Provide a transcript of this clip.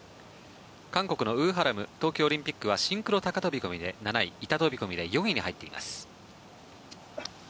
韓国のウ・ハラム東京オリンピックはシンクロ高飛込で７位板飛込で４位に入っています。